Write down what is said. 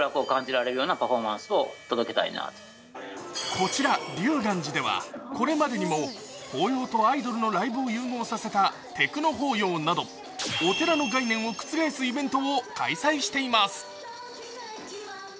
こちら龍岸寺では、これまでにも法要とアイドルのライブを融合させたテクノ法要など、お寺の概念を覆すイベントを開催しています。